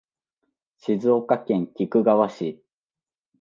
静岡県菊川市